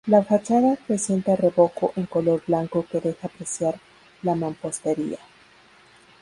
La fachada presenta revoco en color blanco que deja apreciar la mampostería.